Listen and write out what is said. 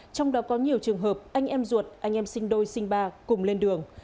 trong đó có nhiều trường hợp anh em ruột anh em sinh đôi sinh ba cùng lên đường